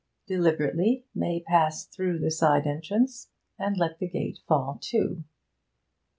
Deliberately May passed through the side entrance, and let the little gate fall to.